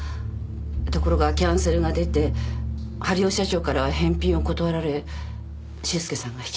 ところがキャンセルが出て治代社長からは返品を断られ修介さんが引き取ったらしいわ。